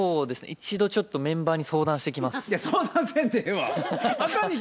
一度ちょっとメンバーに相談してきます。